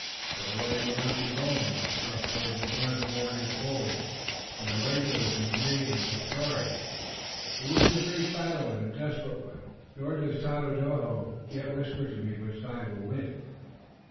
"The delay will not be long. Sharp Sword will drive the warriors forward, and the regulars and Canadians will charge. It will be a great battle, and a desperate one, nor does Tododaho yet whisper to me which side will win."